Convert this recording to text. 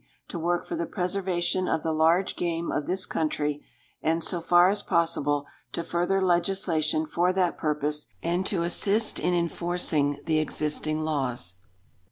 To work for the preservation of the large game of this country, and, so far as possible, to further legislation for that purpose, and to assist in enforcing the existing laws.